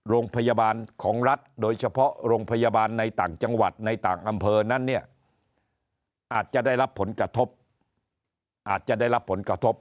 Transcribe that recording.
โรงพยาบาลของรัฐโดยเฉพาะโรงพยาบาลในต่างจังหวัดในต่างอำเภอนั้นเนี่ยอาจจะได้รับผลกระทบอาจจะได้รับผลกระทบ